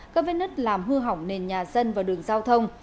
các vết nứt làm hư hỏng nền nhà dân và đường giao thông